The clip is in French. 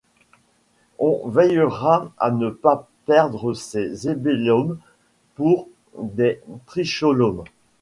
On veillera à ne pas prendre ces hébélomes pour des tricholomes.